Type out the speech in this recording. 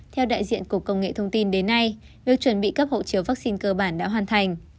theo đại diện cục công nghệ thông tin đến nay việc chuẩn bị cấp hộ chiếu vaccine cơ bản đã hoàn thành